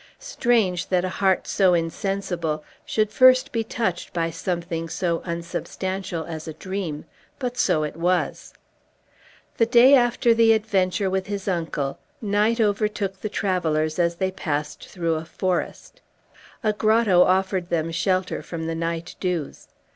Strange that a heart so insensible should first be touched by something so unsubstantial as a dream; but so it was. The day after the adventure with his uncle night overtook the travellers as they passed through a forest. A grotto offered them shelter from the night dews.